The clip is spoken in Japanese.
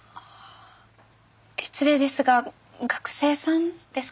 失礼ですが学生さんですか？